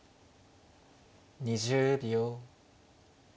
２０秒。